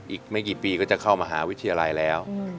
อีกไม่กี่ปีก็จะเข้ามหาวิทยาลัยแล้ว